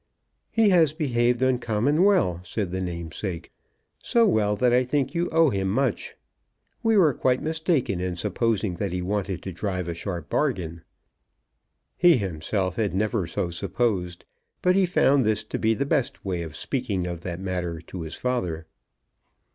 "He has behaved uncommonly well," said the namesake. "So well that I think you owe him much. We were quite mistaken in supposing that he wanted to drive a sharp bargain." He himself had never so supposed, but he found this to be the best way of speaking of that matter to his father.